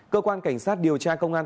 cơ quan cảnh sát điều tra công an